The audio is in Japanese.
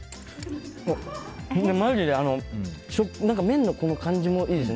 マジで麺の感じもいいです。